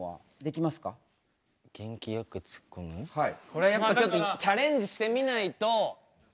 これまあちょっとチャレンジしてみないと。